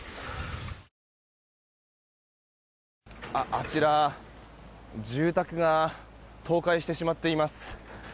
あちら、住宅が倒壊してしまっています。